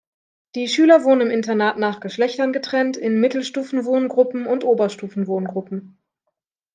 Die Schüler wohnen im Internat nach Geschlechtern getrennt in Mittelstufen-Wohngruppen und Oberstufen-Wohngruppen.